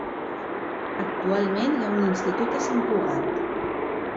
Actualment hi ha un institut a Sant Cugat.